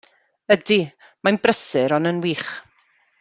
Ydy, mae'n brysur ond yn wych.